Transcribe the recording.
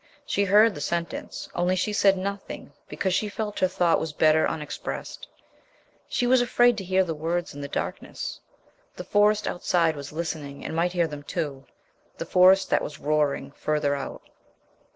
She heard the sentence, only she said nothing because she felt her thought was better unexpressed. She was afraid to hear the words in the darkness. The Forest outside was listening and might hear them too the Forest that was "roaring further out."